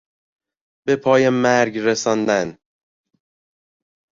به پای مرگ رساندن